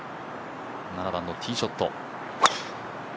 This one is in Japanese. ７番のティーショット。